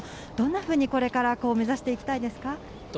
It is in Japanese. どんなふうにこれから目指していきたいですか？